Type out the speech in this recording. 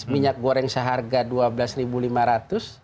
minyak goreng seharga rp dua belas lima ratus